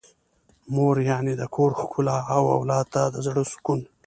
مور يعنې د کور ښکلا او اولاد ته د زړه سکون.